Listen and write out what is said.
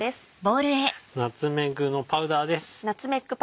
ナツメッグのパウダーです。